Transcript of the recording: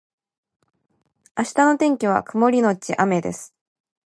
明日の天気は曇りのち雨です